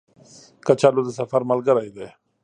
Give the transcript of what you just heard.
کچالو د سفر ملګری دی